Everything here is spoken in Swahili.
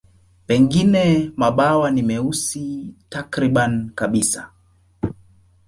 Pengine mabawa ni meusi takriban kabisa.